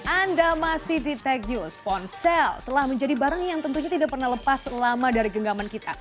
anda masih di tech news ponsel telah menjadi barang yang tentunya tidak pernah lepas lama dari genggaman kita